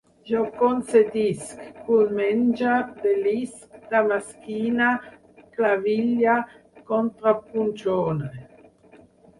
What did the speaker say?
Jo concedisc, culmenege, delisc, damasquine, claville, contrapunxone